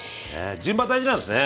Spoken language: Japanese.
順番大事なんですね。